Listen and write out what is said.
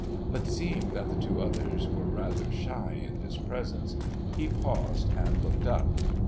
But seeing that the two others were rather shy in his presence he paused and looked up.